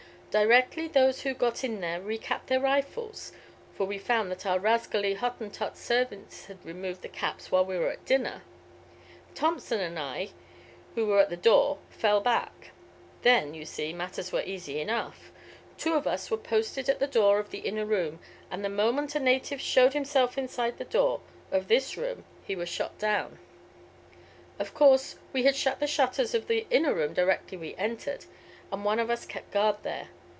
"Directly those who got in there recapped their rifles for we found that our rascally Hottentot servants had removed the caps while we were at dinner Thompson and I, who were at the door, fell back. Then, you see, matters were easy enough. Two of us were posted at the door of the inner room, and the moment a native showed himself inside the door of this room he was shot down. Of course we had shut the shutters of the inner room directly we entered, and one of us kept guard there.